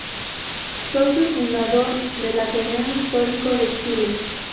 Socio Fundador del Ateneo Histórico de Chile.